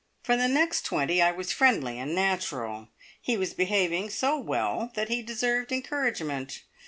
For the next twenty I was friendly and natural. He was behaving so well that he deserved encouragement.